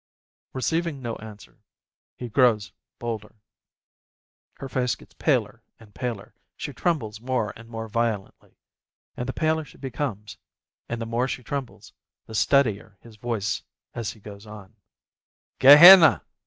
Eeceiving no answer, he grows bolder. Her face gets paler and paler, she trembles more and more violently, and the paler she becomes, and the more she trembles, the steadier his voice, as he goes on : "Gehenna!